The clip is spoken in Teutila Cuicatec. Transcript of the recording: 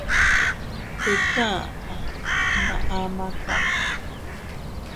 Tika aʼa na ama kaka.